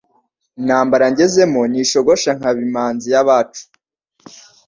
Intambara ngezemo ntishogosha nkaba imanzi y,abacu